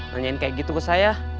nanyain kayak gitu ke saya